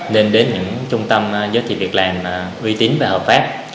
nên đến những trung tâm giới thiệu việc làm uy tín và hợp pháp